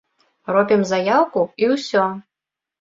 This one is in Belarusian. Робім заяўку, і ўсё.